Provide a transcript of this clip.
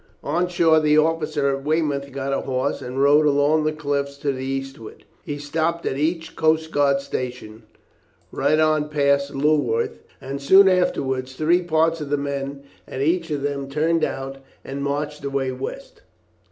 On shore the officer at Weymouth got a horse and rode along the cliffs to the eastward. He stopped at each coast guard station, right on past Lulworth, and soon afterwards three parts of the men at each of them turned out and marched away west.